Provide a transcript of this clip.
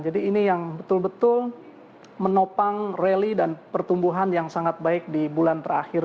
ini yang betul betul menopang rally dan pertumbuhan yang sangat baik di bulan terakhir